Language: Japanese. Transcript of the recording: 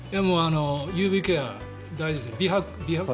ＵＶケア大事ですよね。